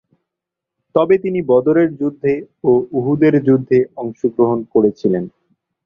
তবে তিনি বদরের যুদ্ধে ও উহুদের যুদ্ধে অংশগ্রহণ করেছিলেন।